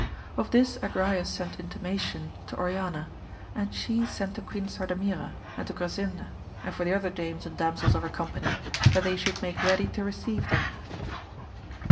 Of this Agrayes sent intimation to Oriana, and she sent to Queen Sardamira and to Grasinda and for the other dames and damsels of her company, that they should make ready to receive them.